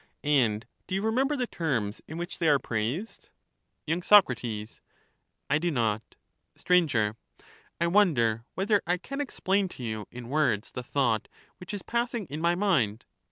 And do you remember the terms in which they are praised ? y. Soc. I do not. Str. I wonder whether I can explain to you in words the thought which is passing in my mind.